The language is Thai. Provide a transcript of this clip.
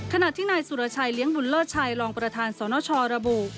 ขณะที่นายสุรชัยเลี้ยงบุญเลิศชัยรองประธานสนชระบุ